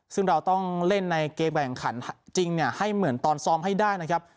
ซึ่งเราต้องเล่นในเกมแข่งขันจริงให้เหมือนตอนซ้อมให้ได้นะครับ